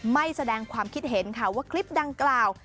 ไม่แสดงความคิดเห็นค่ะว่าคลิปดังกล่าว